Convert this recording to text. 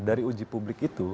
dari uji publik itu